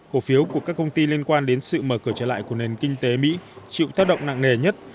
cổ phiếu của các công ty liên quan đến sự mở cửa trở lại của nền kinh tế mỹ chịu tác động nặng nề nhất